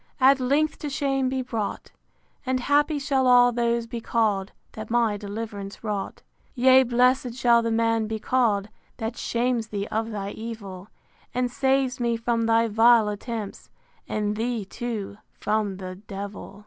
At length to shame be brought; And happy shall all those be call'd, That my deliv'rance wrought. X. Yea, blessed shall the man be call'd That shames thee of thy evil, And saves me from thy vile attempts, And thee, too, from the d—l.